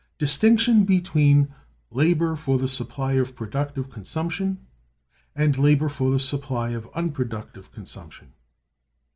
Distinction Between Labor for the Supply of Productive Consumption and Labor for the Supply of Unproductive Consumption.